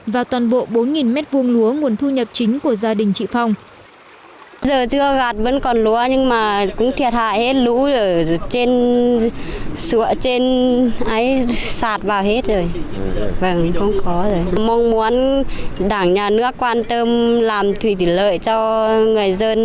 và toàn bộ bốn m hai lúa nguồn thu nhập chính của gia đình chị phong